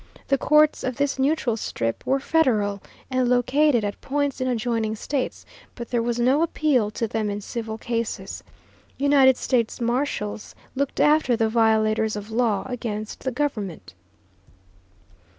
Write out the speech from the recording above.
The courts of this neutral strip were Federal, and located at points in adjoining States, but there was no appeal to them in civil cases. United States marshals looked after the violators of law against the government.